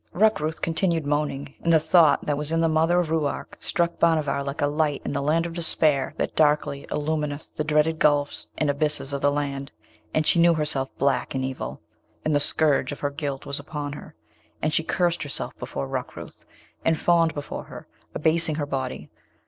Rukrooth continued moaning, and the thought that was in the mother of Ruark struck Bhanavar like a light in the land of despair that darkly illumineth the dreaded gulfs and abysses of the land, and she knew herself black in evil; and the scourge of her guilt was upon her, and she cursed herself before Rukrooth, and fawned before her, abasing her body.